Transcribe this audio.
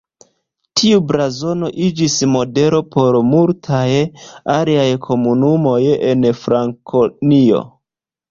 Tiu blazono iĝis modelo por multaj aliaj komunumoj en Frankonio.